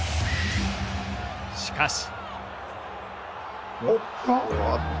しかし。